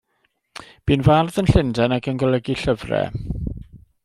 Bu'n fardd yn Llundain ac yn golygu llyfrau.